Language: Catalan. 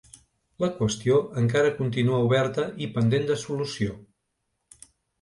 La qüestió encara continua oberta i pendent de solució.